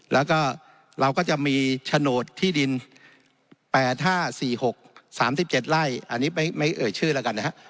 แล้วก็เราก็จะมีโฉนดที่ดิน๘๕๔๖๓๗ไร่อันนี้ไม่เอ่ยชื่อแล้วกันนะครับ